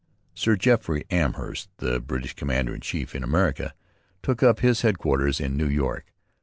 Sir Jeffery Amherst, the British commander in chief in America, took up his headquarters in New York.